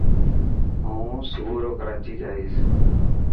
هون صبورو ڪراچي جائين.